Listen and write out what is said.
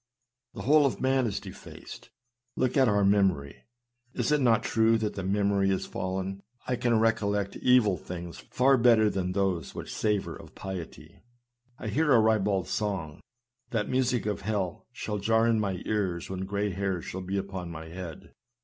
The whole of man is defaced. Look at our memory ; is it not true that the memory is fallen ? I can recollect evil things far better than those which savor of piety. I hear a ribald song, that music of hell shall jar in my ear when gray hairs shall be upon my head.